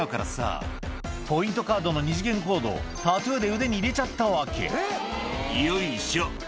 カードの二次元コードをタトゥーで腕に入れちゃったわけ」「よいしょ」